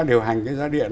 điều hành cái giá điện